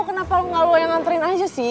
kenapa gak lo yang nganterin aja sih